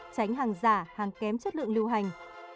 tránh hàng giả hàng kém chất lượng lưu hành